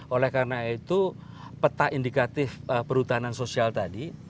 oleh karena itu peta indikatif perhutanan sosial tadi